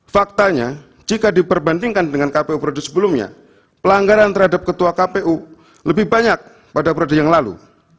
faktanya jika diperbandingkan dengan kpu periode sebelumnya pelanggaran terhadap ketua kpu lebih banyak pada periode yang lalu